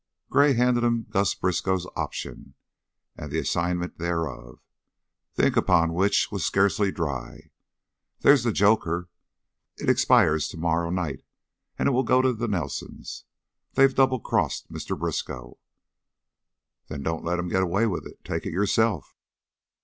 Gray handed him Gus Briskow's option, and the assignment thereof, the ink upon which was scarcely dry. "There's the joker. It expires to morrow night and it will go to the Nelsons. They've double crossed Mr. Briskow." "Then don't let them get away with it. Take it yourself."